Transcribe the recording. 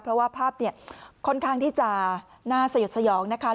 เพราะว่าภาพค่อนข้างที่จาหน้าสยดสยองนะคะ